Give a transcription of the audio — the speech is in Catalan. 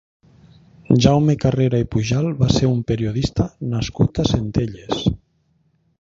Jaume Carrera i Pujal va ser un periodista nascut a Centelles.